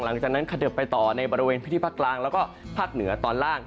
หลังจากนั้นเขยิบไปต่อในบริเวณพื้นที่ภาคกลางแล้วก็ภาคเหนือตอนล่าง